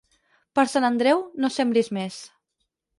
Per Sant Andreu no sembris més.